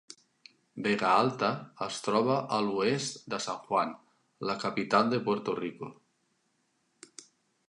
Vega Alta es troba a l'oest de San Juan, la capital de Puerto Rico.